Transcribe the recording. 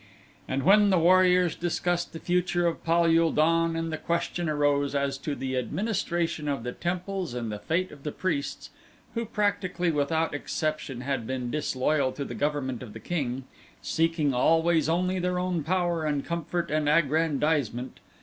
And then the warriors discussed the future of Pal ul don and the question arose as to the administration of the temples and the fate of the priests, who practically without exception had been disloyal to the government of the king, seeking always only their own power and comfort and aggrandizement.